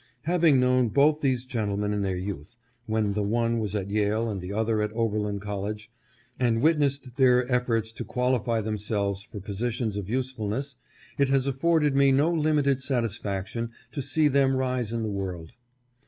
Having known both these gentlemen in their youth, when the one was at Yale and the other at Oberlin College, and witnessed their efforts to qualify themselves for positions of usefulness, it has afforded me no limited satisfaction to see them rise in the world.